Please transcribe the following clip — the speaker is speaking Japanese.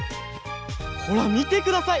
ほらみてください！